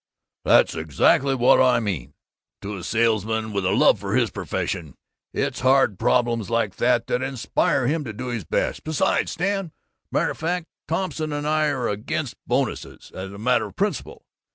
"That's exactly what I mean! To a salesman with a love for his profession, it's hard problems like that that inspire him to do his best. Besides, Stan Matter o' fact, Thompson and I are against bonuses, as a matter of principle.